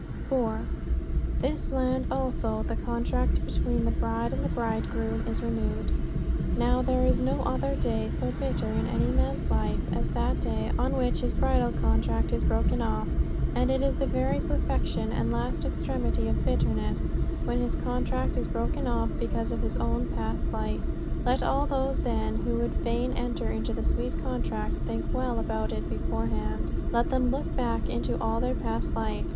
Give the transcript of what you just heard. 4. "In this land also the contract between the bride and the bridegroom is renewed." Now, there is no other day so bitter in any man's life as that day is on which his bridal contract is broken off. And it is the very perfection and last extremity of bitterness when his contract is broken off because of his own past life. Let all those, then, who would fain enter into that sweet contract think well about it beforehand. Let them look back into all their past life.